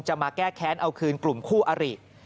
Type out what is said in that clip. มาแก้แค้นเอาคืนกลุ่มคู่อริ